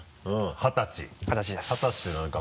二十歳です。